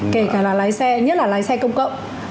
kể cả là lái xe nhất là lái xe công cộng